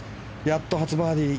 やっと初バーディー